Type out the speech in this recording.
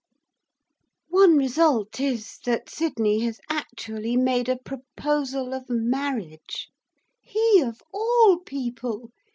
One result is that Sydney has actually made a proposal of marriage, he of all people!